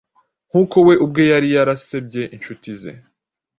Nkuko we ubwe yari yarasabyeinshuti ze